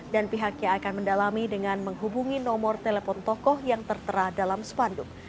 dan pihaknya akan mendalami dengan menghubungi nomor telepon tokoh yang tertera dalam sepanduk